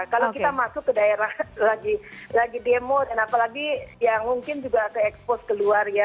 kalau kita masuk ke daerah lagi demo dan apalagi ya mungkin juga ke expose keluar ya